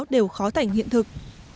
đều khó tảnh hiện thực